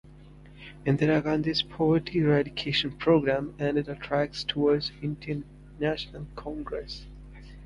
Indira Gandhi’s poverty eradication program and it attracts towards Indian National Congress.